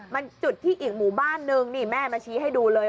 มันจุดที่อีกหมู่บ้านนึงนี่แม่มาชี้ให้ดูเลย